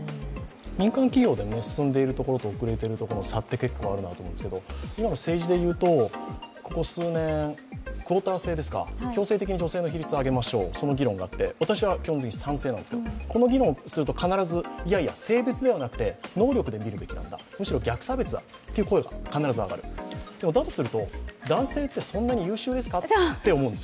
民間企業でも進んでいるところと遅れているところの差って結構あるなと思いますが政治でいうと、ここ数年、クオータ制ですか、強制的に女性の比率を上げましょうという議論があって、この議論をすると必ず性別じゃなくて能力で見るべきなんだ、むしろ逆差別だという声が必ずある、でもだとすると男性ってそんなに優秀ですか？と思う。